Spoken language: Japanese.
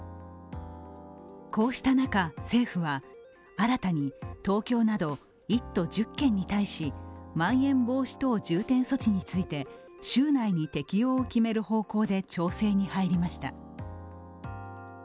こうした中、政府は新たに東京など１都１０県に対しまん延防止等重点措置について週内に適用を決める方向で調整に入りました。